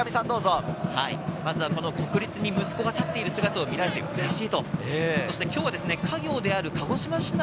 国立に息子が立っている姿が見られて嬉しい。